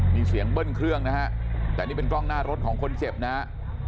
มีเสียงเบิ้ลเครื่องนะฮะแต่นี่เป็นกล้องหน้ารถของคนเจ็บนะฮะ